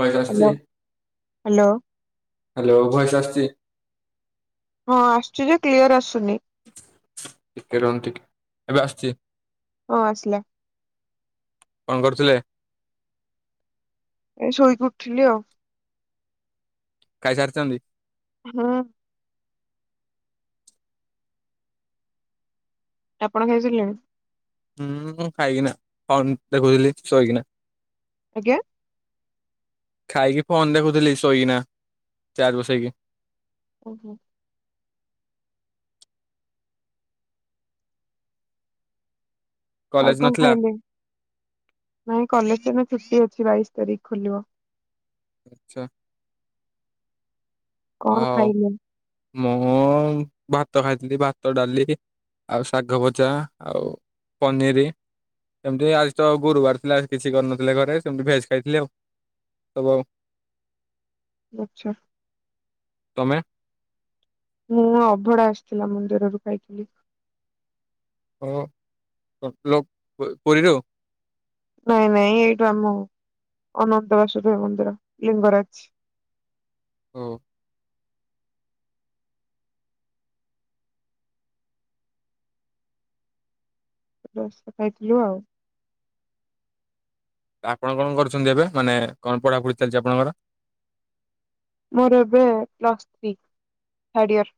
Voice ଆସୁଛି hello hello voice ଆସିଛି। ହଁ ଆସୁଚି ଯେ କ୍ଲିୟର ଆସୁନି। ଟିକେ ରହନ୍ତି କି ଏବେ ଆସିଚି। ହଁ ଆସିଲା। କଣ କରୁଥିଲେ? ଏ ଶୋଇକି ଉଠିଲି ଆଉ। ଖାଇ ସାରିଚନ୍ତି। ହଁ ଆପଣ ଖାଇସାରିଲେଣି। ମୁଁ ଖାଇକିନା ଫୋନ୍ ଦେଖୁଥିଲି ଶୋଇକିନା। ଆଜ୍ଞା। ଖାଇକି ଫୋନ ଦେଖୁଥିଲି ଶୋଇକିନା ଚାର୍ଜ ବସେଇକି। କୋଉଠି ଆଉ କଲେଜ କଣ ନଥିଲା ଖାଇଲେ? ନାଇଁ କଲେଜ ଏବେ ଛୁଟି ଅଛି ବାଇଶି ତାରିଖ ଖୋଲିବ। ଆଚ୍ଛା କଣ ହଉ ଖାଇଲେ ମୁଁ ଭାତ ଖାଇଥିଲି ଭାତ ଡାଲିି ଆଉ ଶାଗ ଭଜା ଆଉ ପନିରି ଏମିତି ହିଁ ଆଜି ତ ଗୁରୁବାର ଥିଲା ଆଜି କିଛି କରିନଥିଲେ ଘରେ ସେମିତି ଭେଜ୍ ଖାଇଥିଲି ଆଉ ସବୁ ଆଉ। ଆଚ୍ଛା। ତମେ। ମୁଁ ଅଭଡ଼ା ଆସିଥିଲା ମନ୍ଦିରରୁ ଖାଇଥିଲି। ହଁ [unintelligible] ପୁରୀରୁ। ନାଇଁ ନାଇଁ ଏଇଠୁ ଆମ ଅନନ୍ତ ବାସୁଦେବ ମନ୍ଦିର ଲିଙ୍ଗରାଜ। ହଉ ଗୋଟେ ବର୍ଷ କଥା ହେଇଥିଲୁ ଆଉ। ଆପଣ କଣ କରୁଛନ୍ତି ଏବେ ମାନେ କଣ ପଢାପଢି ଚାଲିଚି ଆପଣଙ୍କର? ମୋର ଏବେ ପ୍ଲସ୍ ଥ୍ରୀ ଥାଡେଇଅର।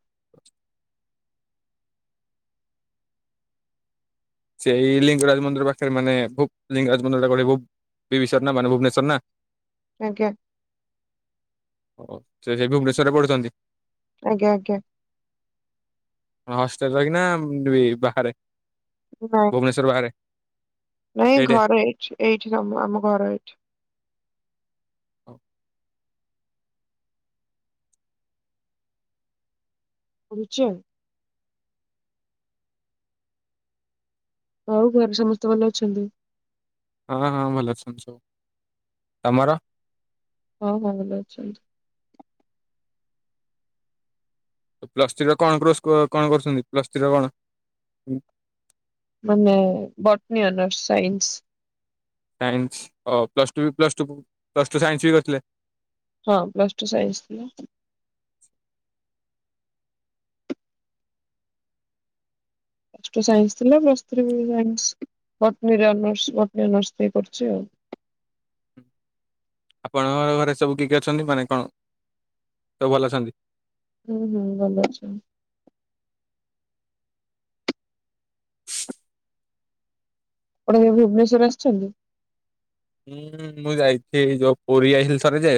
ସେଇ ଲିଙ୍ଗରାଜ ମନ୍ଦିର ପାଖରେ ମାନେ ଓଫ୍ ଲିଙ୍ଗରାଜ ମନ୍ଦିରଟା ପଡ଼ିବ। ଏହିବିଷୟରେ ନା ମାନେ ଭୁବନେଶ୍ୱର ନା। ଆଜ୍ଞା। ଓ ସେ ସେଇ ଭୁବନେଶ୍ଵର ରେ ପଢୁଛନ୍ତି। ଆଜ୍ଞା ଆଜ୍ଞା। ହଷ୍ଟେଲ ରହିକିି ନା ବାହାରେ? ନାଇଁ। ଭୁବନେଶ୍ୱର ବାହାରେ। ନାଇଁ ସେଇଠେ। ଘର ଏଇଠି ଏଇଠି ସବୁ ଆମ ଘର ଏଇଠି। ହୋଉ। ରୁଚୁଆଲ୍ ଆଉ ଘରେ ସମସ୍ତେ ଭଲ ଅଛନ୍ତି? ହଁ ହଁ ଭଲ ଅଛନ୍ତି ସବୁ ତମର? ହଁ ହଁ ଭଲ ଅଛନ୍ତି। ପ୍ଲସ ଥ୍ରୀରେ କଣ କୋର୍ସ କରୁଛନ୍ତି ପ୍ଲସ ଥ୍ରୀରେ କଣ? ମାନେ ବଟନୀ ଅନର୍ସ ସାଇନ୍ସ। ସାଇନ୍ସ ଅ ପ୍ଲସଟୁ ବି ପ୍ଲସଟୁ ପ୍ଲସଟୁ ସାଇନ୍ସ ବି କରିଥିଲେ? ହଁ ପ୍ଲସଟୁ ସାଇନ୍ସ ଥିଲା। ପ୍ଲସ ଟୁ ସାଇନ୍ସ ଥିଲା ପ୍ଲସ ଥ୍ରୀ ସାଇନ୍ସ ବଟନି ରେ ଅନର୍ସ ବଟନି ଅନର୍ସ ଟିକେ କରୁଛି ଆଉ। ଆପଣଙ୍କର ଘରେ ସବୁ କିଏ କିଏ ଅଛନ୍ତି ମାନେ କଣ ସବୁ ଭଲ ଅଛନ୍ତି? ହୁଁ ହୁଁ ଭଲ ଅଛନ୍ତି। ପଢିବାକୁ ଭୁବନେଶ୍ବର ଆସିଛନ୍ତି? ହୁଁ ମୁଁ ଯାଇଥିଲି ଏଇ ଯୋଉ ପୁରୀ ଯାଇଥିଲି ଥରେ ଯେ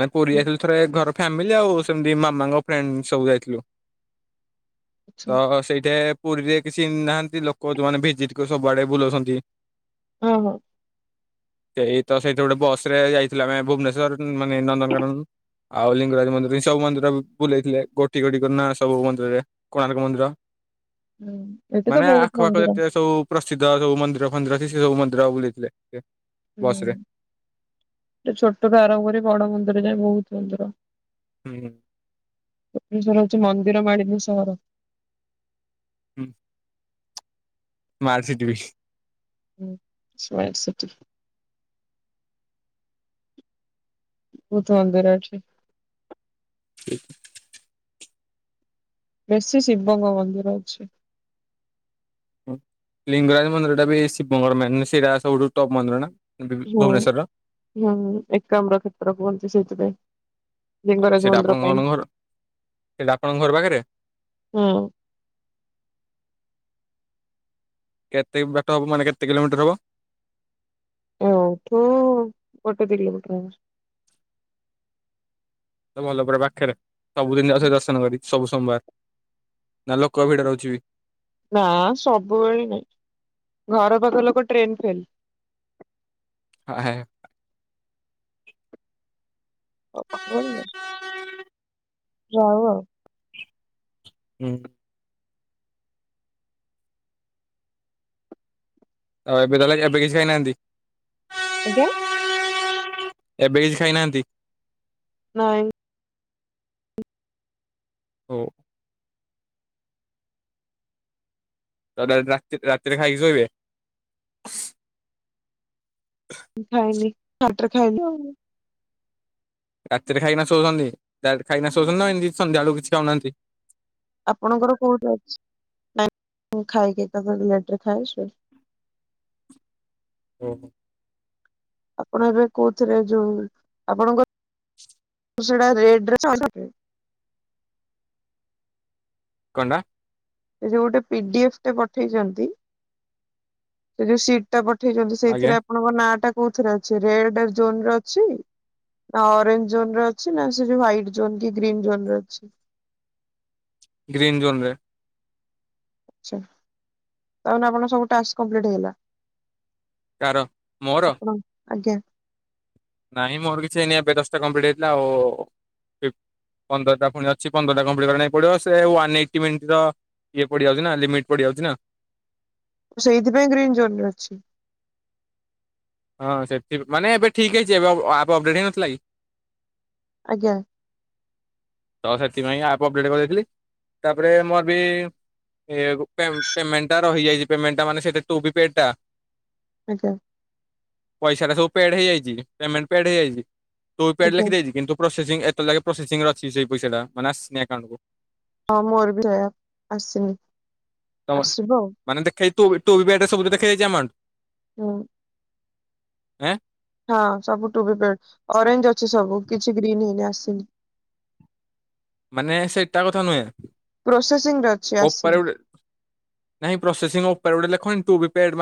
ଆମେ ପୁରୀ ଯାଇଥିଲୁ ଥରେ ଘର ଫ୍ୟାମିଲି ଆଉ ସେମିତି ମାମାଙ୍କ ଫ୍ରେଣ୍ଡ ସବୁ ଯାଇଥିଲୁ। ଆଚ୍ଛା। ତ ସେଇଠି ପୁରୀରେ କିଛି ନାହାନ୍ତି ଲୋକ ଯୋଉମାନେ ଭେଜିତିକ ସବୁଆଡ଼େ ବୁଲୋଉଛନ୍ତି। ଓ ହୋ। ସେଇତ ସେଇଠି ଗୋଟେ ବସ୍ ରେ ଯାଇଥିଲୁ ଆମେ ଭୁବନେଶ୍ବର ମାନେ ନନ୍ଦନକାନନ। ଆଉ ଲିଙ୍ଗରାଜ ମନ୍ଦିର ଏ ସବୁ ମନ୍ଦିର ବି ବୁଲେଇଥିଲେ ଗୋଟି ଗୋଟି କରି ନା ସବୁ ମନ୍ଦିରରେ। କୋଣାର୍କ ମନ୍ଦିର ହୁଁ। ଏଠି ତ ମାନେ ବହୁତ ଆଖପାଖ ମନ୍ଦିର। ଯେତେ ସବୁ ପ୍ରସିଦ୍ଧ ସବୁ ମନ୍ଦିର ଫନ୍ଦିର ଅଛି ସେ ସବୁ ମନ୍ଦିର ବୁଲେଇଥିଲେ। ବସ ରେ ହୁଁ ଛୋଟରୁ ଆରମ୍ଭ କରି ବଡ଼ ମନ୍ଦିର ଯାଏଁ ବୋହୁତ ମନ୍ଦିର। ହୁଁ। ଭୁବନେଶ୍ବର ହୋଉଛି ମନ୍ଦିର ମାଳିନୀ ସହର। ହୁଁ। ମାଲର୍ସିଟ୍ ବି। ହୁଁ ସ୍ମାର୍ଟ ସିଟି। ବୋହୁତ ଦ୍ବନ୍ଦରେ ଅଛି। ବେଶୀ ଶିବଙ୍ଗ ମନ୍ଦିର ଅଛି। ଲିଙ୍ଗରାଜ ମନ୍ଦିରଟା ବି ଶିବଙ୍କର ମେନ୍ ସେଇଟା ସବୁଠୁ ଟପ୍ ମନ୍ଦିର ନା? ହୁଁ ଭୁବନେଶ୍ୱରର ହୁଁ ଏକାମ୍ର କ୍ଷେତ୍ର କୁହନ୍ତି ସେଇଥିପାଇଁ। ଲିଙ୍ଗରାଜ ସେଇଟା ମନ୍ଦିର ପାଇଁ। ଆପଣଙ୍କ ଘର ସେଇଟା ଆପଣଙ୍କ ଘର ପାଖରେ? ହୁଁ। କେତେ ବାଟ ହବ ମାନେ କେତେ କିଲୋମିଟର ହବ? ଏଇଉଠୁ ଗୋଟେ କିଲୋମିଟର ହବ। ତ ଭଲ ପୁରା ପାଖରେ ସବୁଦିନ ଯାଉଛ ଦର୍ଶନ କରି। ସବୁ ସୋମବାର ନା ଲୋକ ଭିଡ଼ ରହୁଛି ବି। ନା ସବୁବେଳେ ନାଇଁ, ଘର ପାଖ ଲୋକ ଟ୍ରେନ୍ ଫେଲ୍। ହା ହେ [unintelligible] ଯାଉ ଆଉ। ହୁଁ। ଆଉ ଏବେ କଲେ ଏବେ କିଛି ଖାଇନାହାନ୍ତି। ଆଜ୍ଞା। ଏବେ କିଛି ଖାଇନାହାନ୍ତି। ନାଇଁ। ହୋଉ। [unintelligible] ରାତିରେ ଖାଇକି ଶୋଇବେ। ହ ଖାଇନି ବାରଟାରେ ଖାଇବି ଆଉ। ରାତିରେ ଖାଇକିନା ଶୋଉଛନ୍ତି ଡାଇରେକ୍ଟ ଖାଇକିନା ଶୋଉଛନ୍ତି ନା ଏମିତି ସନ୍ଧ୍ୟା ଆଳକୁ କିଛି ଖାଉନାହାନ୍ତି। ଆପଣଙ୍କର କୋଉଠି ଅଛି ଖାଇକି ଏକା ଥରେ ଲେଟ୍‌ରେ ଖାଇକି ଶୋଇବୁ। ଓହୋ। ଆପଣ ଏବେ କହୁଥିଲେ ଯୋଉ ଆପଣଙ୍କ [unintelligible] କଣ୍ଡା। ସେ ଯୋଉ ଗୋଟେ ପିଡି ଏଫ ଟେ ପଠେଇଛନ୍ତି। ସେ ଯୋଉ ସିଟ୍ ଟା ପଠେଇଛନ୍ତି ଆଜ୍ଞା ସେଇଥିରେ ଆପଣଙ୍କ ନାଁ ଟା କୋଉଥିରେ ଅଛି ରେଡ୍‌ ଜୋନରେ ଅଛି। ନା ଅରେଞ୍ଜ ଜୋନରେ ଅଛି ନା ସେଠି ହ୍ୱାଇଟ୍ ଜୋନ୍ କି ଗ୍ରୀନ୍ ଜୋନ୍ ରେ ଅଛି। ଗ୍ରୀନ୍ ଜୋନରେ। ତାହଲେ ଆପଣ ସବୁ ଟାସ୍କ କମ୍ପ୍ଲିଟ ହେଇଗଲା? କାର ମୋର? ଆପଣ ଆଜ୍ଞା। ନାଇଁ ମୋର କିଛି ଏଇନି ଏବେ ଦଶଟା କମ୍ପ୍ଲିଟ୍ ହେଇଥିଲା ଆଉ। ପନ୍ଦରଟା ପୁଣି ଅଛି ପନ୍ଦରଟା କମ୍ପ୍ଲିଟ କରିବା ପାଇଁ ପଡିବ ସେ ୱାନ ଏଇଟି ମିଣ୍ଟି ର ଇଏ ପଡିଯାଉଛି ନା ଲିମିଟ୍ ପଡିଯାଉଛି ନା। ମୁଁ ସେଇଥିପାଇଁ ଗ୍ରୀନ୍ ଜୋନରେ ଅଛି। ହଁ ସେଠି ମାନେ ଏବେ ଠିକ୍ ହେଇଛି ଏବେ ଆପ ଅପଡେଟ ହେଇନଥିଲା କି। ଆଜ୍ଞା। ତ ସେଥିପାଇଁ ଆପ୍ ଅପଡ଼େଟ୍ କରିଦେଇଥିଲି ତାପରେ ମୋର ବି ଏ ପେମେଣ୍ଟ ଟା ରହିଯାଇଛି ପେମେଣ୍ଟା ମାନେ ସେ [unintelligible] ଆଜ୍ଞା। ପଇସା ଟା ସବୁ ପେଡ଼େ ହେଇଯାଇଛି ପେମେଣ୍ଟ ପେଡ଼େ ହେଇଯାଇଛି। ତୁ ପେଡ଼େ ଆଜ୍ଞା ଲେଖିଦେଇଛି ଦେଇଛି କିନ୍ତୁ ପ୍ରୋସେସିଂ ଏତେ ଲାଗେ ପ୍ରୋସେସିଂ ରେ ଅଛି ସେଇ ପଇସା ଟା ମାନେ ଆସିନି ଆକାଉଣ୍ଟ କୁ। ହଁ ମୋର ବି ସେଇୟା ଆସିନି ତମ ଆସିବ ଆଉ। ମାନେ ଦେଖେଇଥିବୁ ଏଟୁ [unintelligible] ଏମାଉଣ୍ଟ। ହୁଁ। ଏଁ। ହଁ ସବୁ ଟୁ ବି ପେଡ଼େ ଅରେଞ୍ଜ ଅଛି ସବୁ କିଛି ଗ୍ରୀନ୍ ହେଇନି ଆସିନି। ମାନେ ସେଇଟା କଥା ନୁହେଁ। ପ୍ରୋସେସିଂ ରେ ଅଛି ଆସି ନାଇଁ ପ୍ରୋସେସିଂ ଉପରେ ଗୋଟେ ଲେଖୁନି ଟୁ ବି ପେଡ଼୍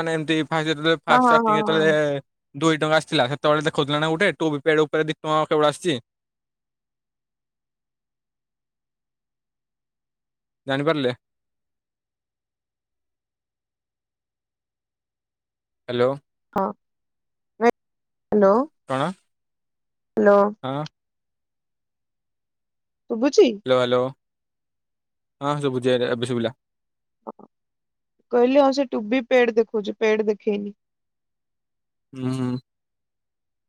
ହଁ ହଁ ହଁ [unintelligible] ଦୁଇ ଟଙ୍କା ଆସିଥିଲା ସେତେବେଳେ ଦେଖଉଥିଲା ନା ଗୋଟେ ଟୁ ବୀ ପେଡ଼୍ ଉପରେ ଦି ଟଙ୍କା [unintelligible] ଆସିଛି ଜାଣିପାରିଲେ? ହ୍ୟାଲୋ। ହଁ ହ୍ୟାଲୋ। କଣ ହ୍ୟାଲୋ ହଁ। ଶୁଭୁଛିି? ହ୍ୟାଲୋ ହ୍ୟାଲୋ ହଁ ସୁବୁଝି ଏବେ ଶୁଭିଲା। କହିଲି ଆଉ ସେ ଟୁ ବି ପେଡ ଦେଖଉଛି ପେଡ ଦେଖେଇନି। ହୁଁ ହୁଁ।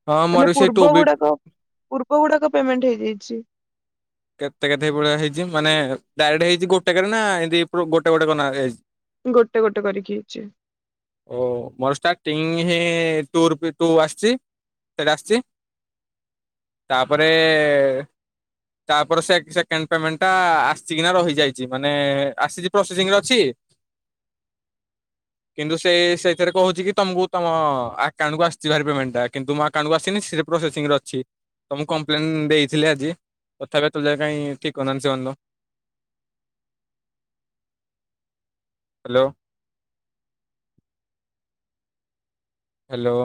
ହଁ ମାନେ ମୋର ବି ସେଇ ଟୁ ପୂର୍ବ ବି ଗୁଡାକ ପୂର୍ବ ଗୁଡାକ ପେମେଣ୍ଟ ହେଇଯାଇଛି। କେତେ କେତେଇ ଭଳିଆ ହେଇଛି ମାନେ ଡାଇରେକ୍ଟ ହେଇଛି ଗୋଟାକରେ ନା ଏ ଗୋଟେ ଗୋଟେ କ ହେଇଛି। ଗୋଟେ ଗୋଟେ କରିକି ହେଇଛି। ଓ ମୋର ଷ୍ଟାର୍ଟିଂ ଟୁ ରୁ। ଟୁ ଆସିଛି ସେଟା ଆସିଛି ତାପରେ ତାପରେ ସେକେଣ୍ଡ୍ ପେମେଣ୍ଟ୍ ଟା ଆସିିକିନା ରହିଯାଇଛି ମାନେ ଆସିଛି ପ୍ରୋସେସିଂରେ ଅଛି କିନ୍ତୁ ସେଇ ସେଇଥିରେ କଣ ହଉଛି କି ତମକୁ ତମ ଆକାଉଣ୍ଟ କୁ ଆସିଛି ଭାରି ପେମେଣ୍ଟ ଟା କିନ୍ତୁ ମୁଁ ଆକାଣ୍ଟକୁ ଆସିନି ସେଟ ପ୍ରୋସେସିଂରେ ଅଛି ତ ମୁଁ କମ୍ପ୍ଲେନ୍ ଦେଇଥିଲି ଆଜି ତଥାପି ଏତେବେଳ ଯାଙ୍କେ କାହି ଠିକ୍ କରି ନାହିଁନ୍ତି ସେମାନେ ତ ହାଲୋ। ହେଲୋ।